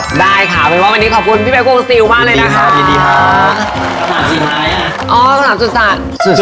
ได้ค่ะว่าแล้วขอบคุณ